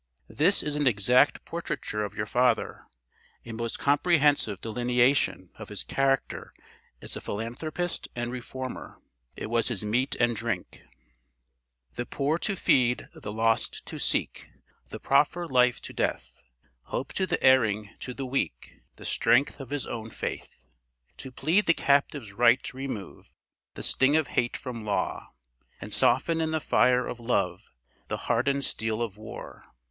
This is an exact portraiture of your father, a most comprehensive delineation of his character as a philanthropist and reformer. It was his meat and drink. "The poor to feed, the lost to seek, To proffer life to death, Hope to the erring, to the weak The strength of his own faith. "To plead the captive's right; remove The sting of hate from law; And soften in the fire of love The hardened steel of war.